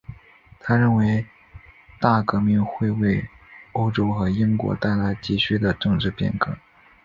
他认为大革命会为欧洲和英国带来急需的政治变革。